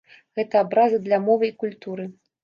Гэта абраза для мовы і культуры.